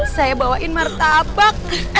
saya bawain martabak